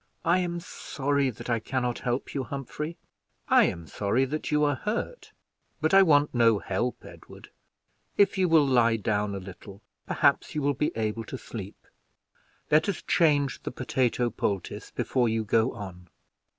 "I am sorry that I can not help you, Humphrey." "I am sorry that you are hurt; but I want no help, Edward. If you will lie down a little, perhaps you will be able to sleep. Let us change the potato poultice before you go on."